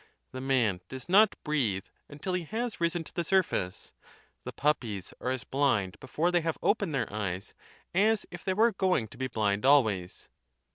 The man does not breathe until he has risen to the surface ; the puppies are as blind before they have opened their eyes aa if they were going to be blind always.